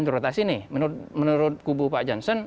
interrotasi nih menurut kubu pak jansentu